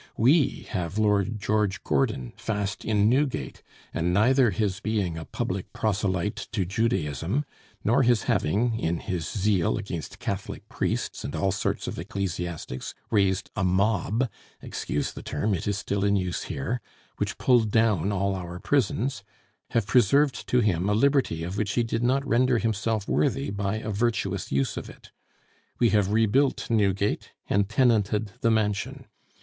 We have Lord George Gordon fast in Newgate; and neither his being a public proselyte to Judaism, nor his having, in his zeal against Catholic priests and all sorts of ecclesiastics, raised a mob (excuse the term, it is still in use here) which pulled down all our prisons, have preserved to him a liberty of which he did not render himself worthy by a virtuous use of it. We have rebuilt Newgate, and tenanted the mansion.